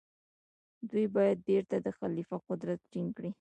دوی باید بيرته د خليفه قدرت ټينګ کړي.